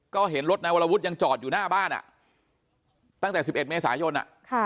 ก็เห็นรถนายวรวุฒิยังจอดอยู่หน้าบ้านตั้งแต่๑๑เมษายน